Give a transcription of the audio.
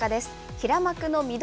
平幕の翠